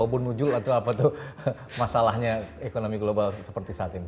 walaupun muncul atau apa tuh masalahnya ekonomi global seperti saat ini